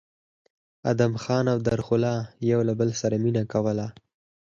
ادم خان او درخو له د بل سره مينه کوله